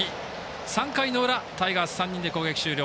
３回の裏、タイガース３人で攻撃終了。